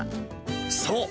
そう！